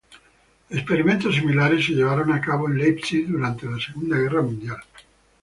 Experimentos similares se llevaron a cabo en Leipzig durante la Segunda Guerra Mundial.